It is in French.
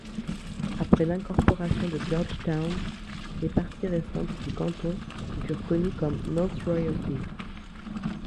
Après l'incorporation de Georgetown, les parties restantes du canton furent connues comme North Royalty.